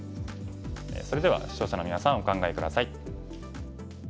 それでは視聴者のみなさんお考え下さい。